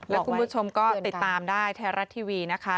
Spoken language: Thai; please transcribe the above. แล้วคุณผู้ชมก็ติดตามได้ไทยรัฐทีวีนะคะ